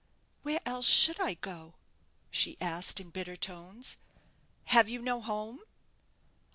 "Where else should I go?" she asked, in bitter tones. "Have you no home?"